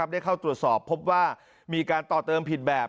ได้เข้าตรวจสอบพบว่ามีการต่อเติมผิดแบบ